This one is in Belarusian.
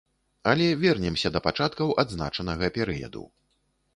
Але вернемся да пачаткаў адзначанага перыяду.